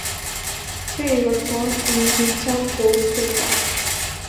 Cherry was born in Wichita Falls, Texas.